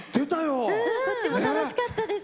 こっちも楽しかったです。